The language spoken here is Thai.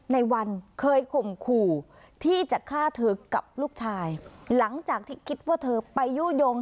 ในวันเคยข่มขู่ที่จะฆ่าเธอกับลูกชายหลังจากที่คิดว่าเธอไปยู่ยง